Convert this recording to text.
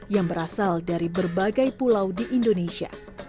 yang berasal dari berbagai pulau di indonesia